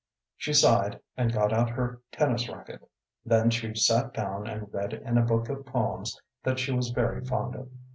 She sighed and got out her tennis racquet. Then she sat down and read in a book of poems that she was very fond of.